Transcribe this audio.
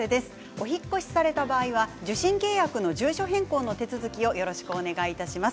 お引っ越しされた場合は受信契約の住所変更の手続きをよろしくお願いいたします。